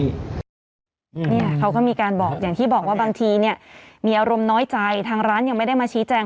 เนี่ยเขาก็มีการบอกอย่างที่บอกว่าบางทีเนี่ยมีอารมณ์น้อยใจทางร้านยังไม่ได้มาชี้แจง